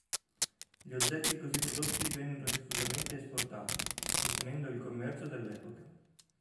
Gli oggetti così prodotti vennero diffusamente esportati, sostenendo il commercio dell'epoca.